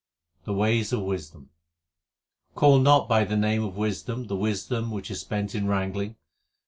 The ways of wisdom : Call not by the name of wisdom the wisdom which is spent in wrangling.